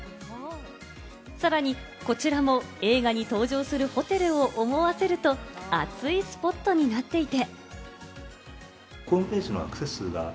さらに、こちらも映画に登場するホテルを思わせると、熱いスポットになっていて。